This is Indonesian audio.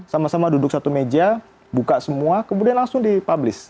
sama sama duduk satu meja buka semua kemudian langsung dipublis